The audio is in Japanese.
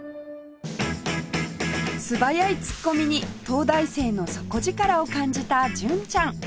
素早いツッコミに東大生の底力を感じた純ちゃん